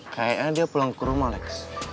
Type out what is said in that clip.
kayaknya dia pulang ke rumah next